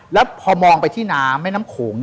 แล้วพอมองไปที่น้ำแม่น้ำโขง